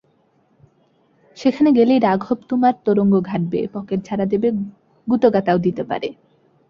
সেখানে গেলেই রাঘব তোমার তোরঙ্গ ঘাঁটবে, পকেট ঝাড়া দেবে, গুঁতোগাঁতাও দিতে পারে।